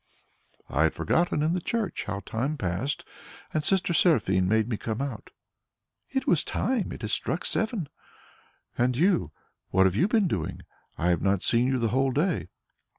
"I had forgotten in the church how time passed, and Sister Seraphine made me come out." "It was time; it has struck seven." "And you what have you been doing? I have not seen you the whole day."